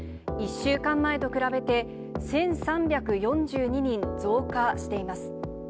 １週間前と比べて、１３４２人増加しています。